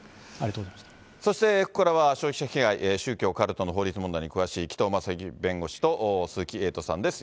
そしてここからは消費者被害、宗教カルトの問題に詳しい紀藤正樹弁護士と鈴木エイトさんです。